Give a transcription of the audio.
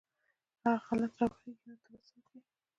هغه غلط راوخېژي نو ته به څه وکې.